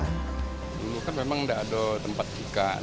dulu kan memang tidak ada tempat ikan